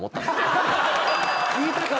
聞いたか？